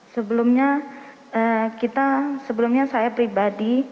sebelumnya kita sebelumnya saya pribadi